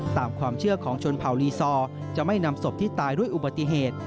ตามความเชื่อของชนเผ่าลีซอร์จะไม่นำศพที่ตายด้วยอุบัติเหตุ